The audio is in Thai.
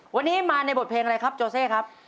วันนี้มาในบทเพลงอะไรครับโจเซ่ครับ